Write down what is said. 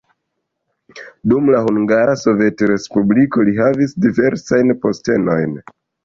Dum la Hungara Sovetrespubliko li havis diversajn postenojn.